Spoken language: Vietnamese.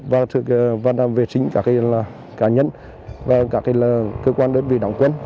và làm vệ sinh các cá nhân và các cơ quan đơn vị đảng quân